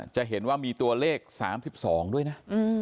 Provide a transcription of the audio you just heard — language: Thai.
จะเห็นว่ามีตัวเลข๓๒ด้วยนะ